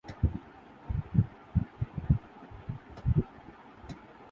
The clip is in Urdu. اس کے بارے میں